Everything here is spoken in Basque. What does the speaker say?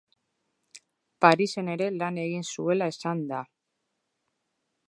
Parisen ere lan egin zuela esan da.